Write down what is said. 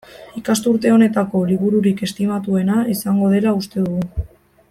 Ikasturte honetako libururik estimatuena izango dela uste dugu.